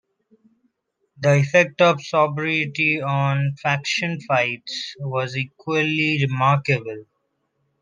The effect of sobriety on 'faction fights' was equally remarkable.